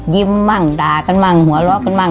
ยิ้มบ้างดากันบ้างหัวเราะกันบ้าง